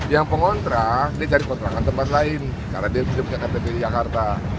yang pengontrak dia cari kontrakan tempat lain karena dia bisa punya ktp di jakarta